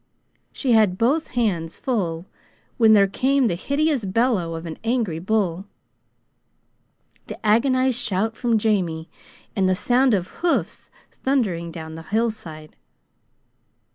She had both hands full when there came the hideous bellow of an angry bull, the agonized shout from Jamie, and the sound of hoofs thundering down the hillside.